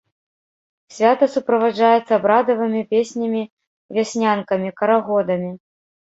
Свята суправаджаецца абрадавымі песнямі-вяснянкамі, карагодамі.